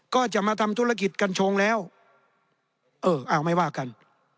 ก็จะมาทำธุรกิจกัญชงแล้วเอออ้าวไม่ว่ากัน